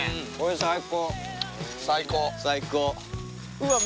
うわっ